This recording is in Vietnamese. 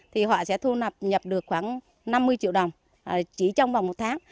thì họ sẽ thu nhập nhập được khoảng năm mươi triệu đồng chỉ trong vòng một tháng